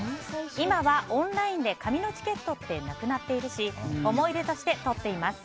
今はオンラインで紙のチケットってなくなっているし思い出として、とっています。